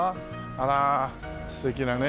あら素敵なね。